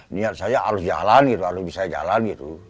niat saya harus jalan harus bisa jalan